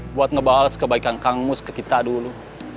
buat ngebalas kebaikan kang mus ke kita dulu